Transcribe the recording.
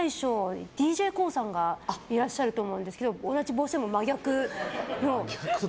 ＤＪＫＯＯさんがいらっしゃると思いますが同じ帽子でも真逆の。